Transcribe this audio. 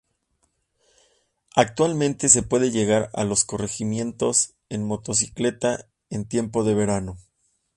Actualmente se puede llegar a los corregimientos en motocicleta, en tiempo de verano.